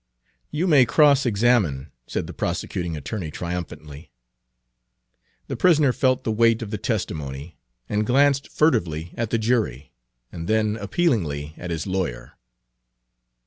"You may cross examine," said the prosecuting attorney triumphantly. The prisoner felt the weight of the testimony, and glanced furtively at the jury, and then appealingly at his lawyer.